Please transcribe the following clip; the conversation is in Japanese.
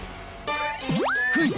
クイズ！